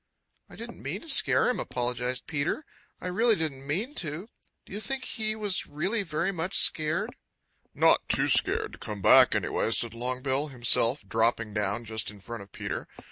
"I didn't mean to scare him," apologized Peter. "I really didn't mean to. Do you think he was really very much scared?" "Not too scared to come back, anyway," said Longbill himself, dropping down just in front of Peter.